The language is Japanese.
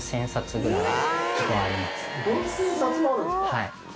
はい。